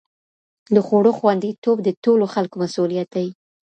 د خوړو خوندي توب د ټولو خلکو مسؤلیت دی.